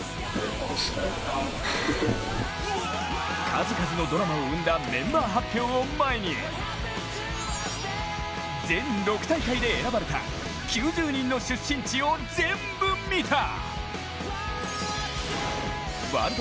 数々のドラマを生んだメンバー発表を前に全６大会で選ばれた９０人の出身地をぜんぶ見た。